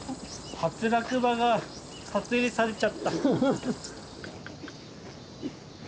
初落馬が撮影されちゃった。